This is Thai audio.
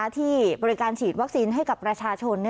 ที่บริการฉีดวัคซีนให้กับประชาชน